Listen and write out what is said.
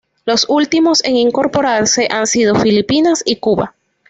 Los últimos en incorporarse han sido Filipinas y Cuba.